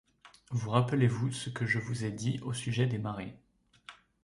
Vous rappelez-vous ce que je vous ai dit au sujet des marées.